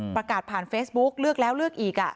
ประกาศผ่านเฟซบุ๊กเลือกแล้วเลือกอีก